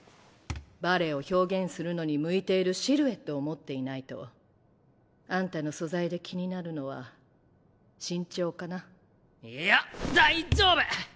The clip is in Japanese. バレエを表現するのに向いているシルエットを持っていないと。あんたの素材で気になるのは身長かないや大丈夫！